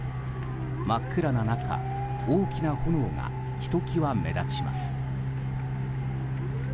真っ暗な中、大きな炎がひときわ目立ちます。